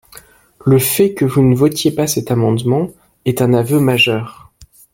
Le fait que vous ne votiez pas cet amendement est un aveu majeur